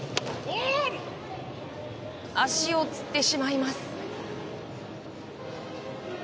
足をつってしまいます。